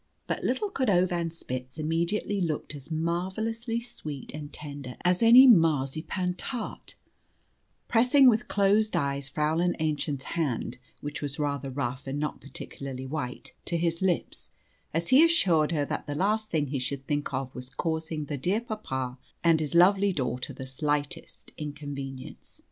But little Cordovanspitz immediately looked as marvellously sweet and tender as any marsipan tart, pressing with closed eyes Fräulein Aennchen's hand (which was rather rough, and not particularly white) to his lips, as he assured her that the last thing he should think of was causing the dear papa and his lovely daughter the slightest inconvenience.